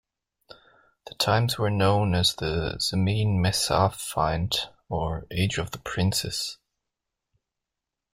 The times were known as the Zemene Mesafint or "Age of the Princes".